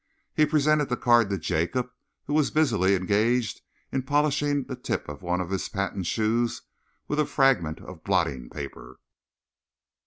He presented the card to Jacob, who was busily engaged in polishing the tip of one of his patent shoes with a fragment of blotting paper.